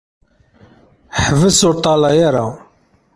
Ḥbes ur ṭṭalaya ara!